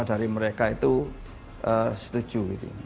dari mereka itu setuju